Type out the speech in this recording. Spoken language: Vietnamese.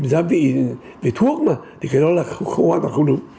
giá vị về thuốc mà thì cái đó là hoàn toàn không đúng